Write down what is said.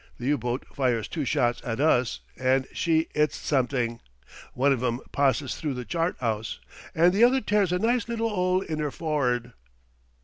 The U boat fires two shots at us and she 'its something. One of 'em pahsses through the chart house, and the other tears a nice little 'ole in 'er for'ard.